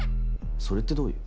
それってどういう。